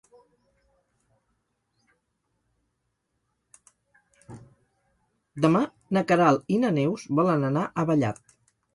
Demà na Queralt i na Neus volen anar a Vallat.